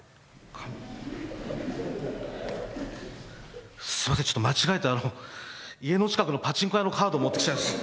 紙、すみません、ちょっと間違えて、家の近くのパチンコ屋のカードを持ってきちゃいました。